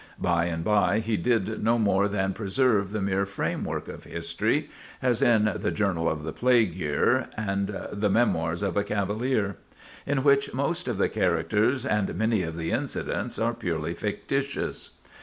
By and by, he did no more than preserve the mere frame work of history—as in "The Journal of the Plague Year" and the "Memoirs of a Cavalier," in which most of the characters and many of the incidents are purely fictitious.